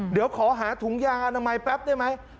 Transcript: เดี๋ยวขอหาถุงยางอนามัยแป๊บได้ไหม